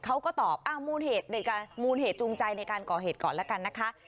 เขาก็ตอบมูลเหตุจูงใจในการก่อเหตุก่อนแล้วกันนะคะ